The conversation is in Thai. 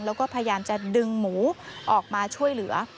แล้วก็พยายามจะดึงหมูออกมาช่วยเหลือ